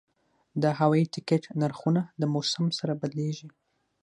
د هوایي ټکټ نرخونه د موسم سره بدلېږي.